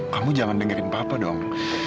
kamu jangan dengerin papa dong